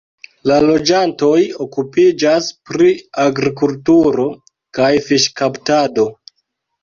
La loĝantoj okupiĝas pri agrikulturo kaj fiŝkaptado.